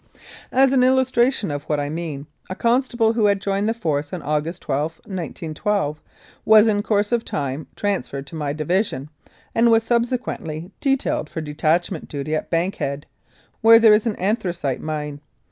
As an illustration of what I mean, a constable who had joined the Force on August 12, 1912, was in course of time transferred to my division, and was subse quently detailed for detachment duty at Bankhead, where there is an anthracite mine.